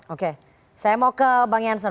oke saya mau ke bang jansen